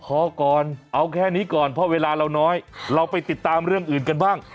ขอก่อนเอาแค่นี้ก่อนเพราะเวลาเราน้อยเราไปติดตามเรื่องอื่นกันบ้าง